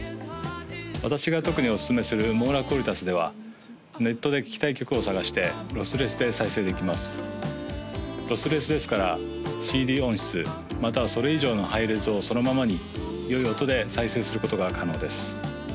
私が特におすすめするｍｏｒａｑｕａｌｉｔａｓではネットで聴きたい曲を探してロスレスで再生できますロスレスですからＣＤ音質またはそれ以上のハイレゾをそのままによい音で再生することが可能です